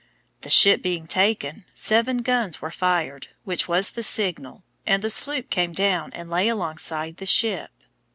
The ship being taken, seven guns were fired, which was the signal, and the sloop came down and lay alongside the ship.